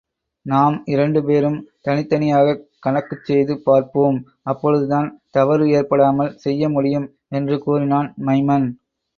நாம் இரண்டுபேரும் தனித்தனியாகக் கணக்குச்செய்து பார்ப்போம், அப்பொழுதுதான், தவறு ஏற்படாமல் செய்யமுடியும்! என்று கூறினான் மைமன்.